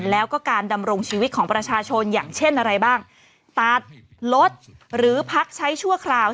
และการดำรงชีวิตของประชาชนอย่างเช่นตัดลดหรือพักใช้ชั่วคราว